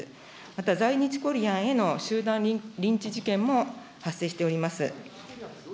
また在日コリアンへの集団リンチ事件も発生しております。